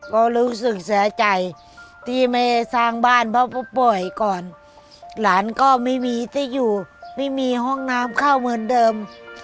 ก็รู้สึกเสียใจที่แม่สร้างบ้านเพราะผู้ป่วยก่อนหลานก็ไม่มีที่อยู่ไม่มีห้องน้ำเข้าเหมือนเดิม